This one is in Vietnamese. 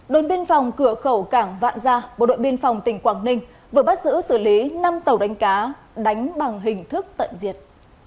đồn biên phòng cửa khẩu cảng vạn gia bộ đội biên phòng tỉnh quảng ninh vừa bắt giữ xử lý năm tàu đánh cá đánh bằng hình thức tận diệt